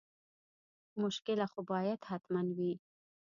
مشکله خو باید حتما وي.